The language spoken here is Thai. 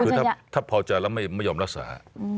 คือถ้าพาวจรรย์แล้วไม่ยอมรักษา